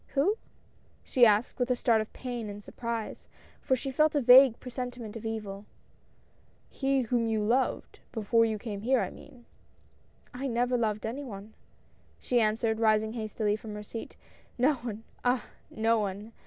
" Who," she asked, with a start of pain and surprise, for she felt a vague presentiment of evil. "He whom you loved — before you came here I mean." " I never loved any one," she answered, rising hastily from her seat — "no one — ah! no one!"